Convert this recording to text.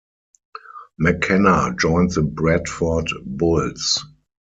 McKenna joined the Bradford Bulls.